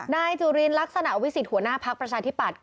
นายจุลินลักษณะวิสิทธิหัวหน้าพักประชาธิปัตย